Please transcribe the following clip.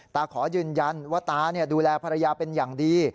ขอยืนยันว่าตาดูแลภรรยาเป็นอย่างดี